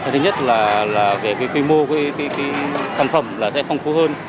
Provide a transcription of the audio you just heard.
thứ nhất là về cái cây mô của cái sản phẩm là sẽ phong phú hơn